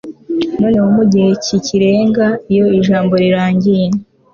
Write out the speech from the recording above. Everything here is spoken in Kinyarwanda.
noneho mugihe cyikirenga iyo ijambo rirangiye